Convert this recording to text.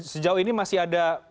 sejauh ini masih ada